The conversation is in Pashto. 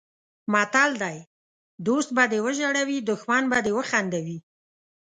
متل دی: دوست به دې وژړوي دښمن به دې وخندوي.